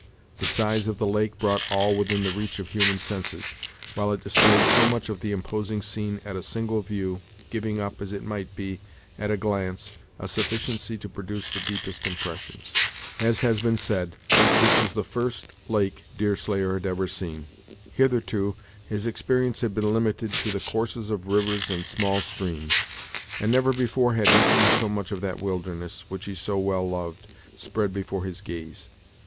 The size of the lake brought all within the reach of human senses, while it displayed so much of the imposing scene at a single view, giving up, as it might be, at a glance, a sufficiency to produce the deepest impressions. As has been said, this was the first lake Deerslayer had ever seen. Hitherto, his experience had been limited to the courses of rivers and smaller streams, and never before had he seen so much of that wilderness, which he so well loved, spread before his gaze.